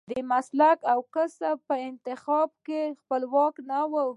د مسلک او کسب په انتخاب کې خپلواک نه و.